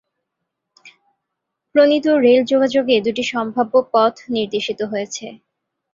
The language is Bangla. প্রণীত রেল যোগাযোগে দুটি সম্ভাব্য পথ নির্দেশিত হয়েছে।